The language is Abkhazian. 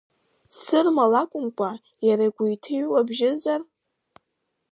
Сырма лакәымкәа, иара игәы иҭыҩуа бжьызар?